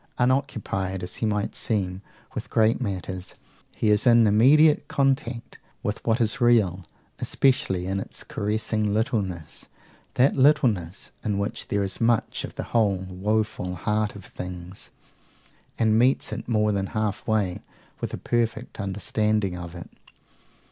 Unoccupied, as he might seem, with great matters, he is in immediate contact with what is real, especially in its caressing littleness, that littleness in which there is much of the whole woeful heart of things, and meets it more than half way with a perfect understanding of it.